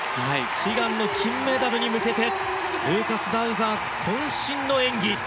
悲願の金メダルに向けてルーカス・ダウザーが渾身の演技。